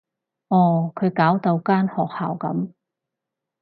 哦，佢搞到間學校噉